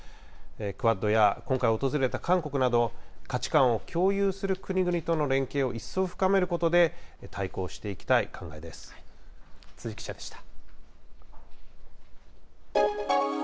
クアッドや今回訪れた韓国など、価値観を共有する国々との連携を一層深めることで、対抗していき辻記者でした。